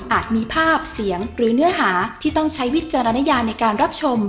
มีภาพเสียงหรือเนื้อหาที่ต้องใช้วิจารณญาในการรับชม